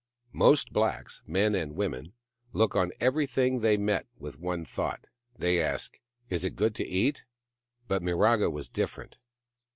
Most blacks, men and women, look on everything they meet with one thought. They ask, " Is it good to eat ?" But Miraga was different